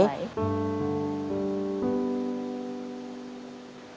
เฮ้ย